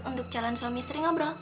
untuk calon suami sering ngobrol ya kan